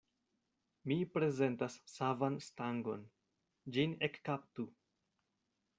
Mi prezentas savan stangon; ĝin ekkaptu.